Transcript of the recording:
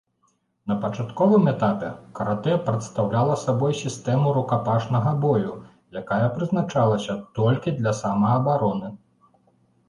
На пачатковым этапе каратэ прадстаўляла сабой сістэму рукапашнага бою, якая прызначалася толькі для самаабароны.